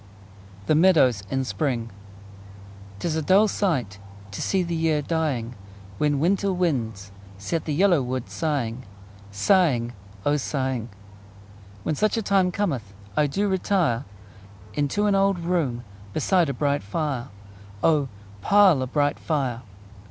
1809 1883 697. Old Song TIS a dull sight To see the year dying, When winter winds Set the yellow wood sighing: Sighing, O sighing! When such a time cometh I do retire Into an old room Beside a bright fire: O, pile a bright fire!